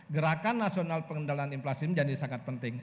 gerakan nasional pengendalian inflasi menjadi sangat penting